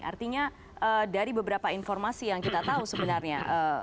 artinya dari beberapa informasi yang kita tahu sebenarnya